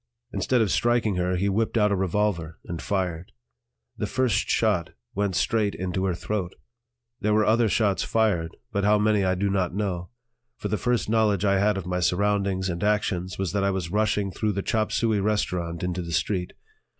Instead of striking her he whipped out a revolver and fired; the first shot went straight into her throat. There were other shots fired, but how many I do not know; for the first knowledge I had of my surroundings and actions was that I was rushing through the chop suey restaurant into the street.